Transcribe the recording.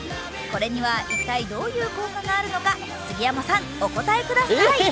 これには一体どういう効果があるのか杉山さん、お答えください。